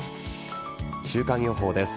週間予報です。